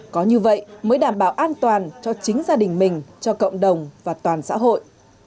có như vậy mới đảm bảo an toàn cho chính gia đình mình cho cộng đồng và toàn xã hội